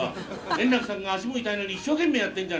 圓楽さんが足も痛いのに一生懸命やってんじゃねえか。